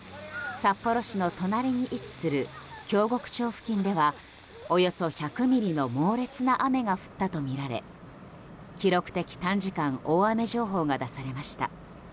札幌市の隣に位置する京極町付近ではおよそ１００ミリの猛烈な雨が降ったとみられ記録的短時間大雨情報が出されました。